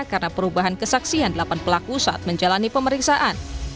karena perubahan kesaksian delapan pelaku saat menjalani pemeriksaan